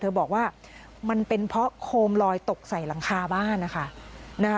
บอกว่ามันเป็นเพราะโคมลอยตกใส่หลังคาบ้านนะคะ